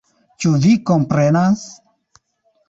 Ĉu Vi komprenas?